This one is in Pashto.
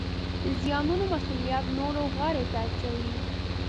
د زیانونو مسوولیت نورو غاړې ته اچوي